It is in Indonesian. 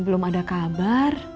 belum ada kabar